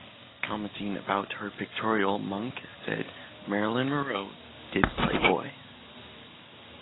Commenting about her pictorial Monk said, "Marilyn Monroe did "Playboy".